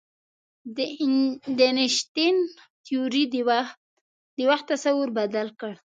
د انیشتین تیوري د وخت تصور بدل کړ.